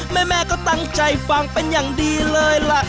แม่ก็ตั้งใจฟังเป็นอย่างดีเลยล่ะ